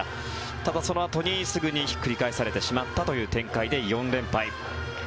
ただ、そのあとにすぐにひっくり返されてしまったという展開で４連敗。